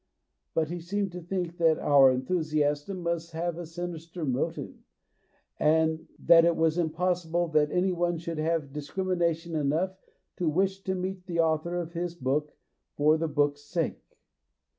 But he seemed to think that our enthusiasm must have a sinister motive, that it was impossible that any one should have discrimination enough to wish to meet the author of his book for the book's sake.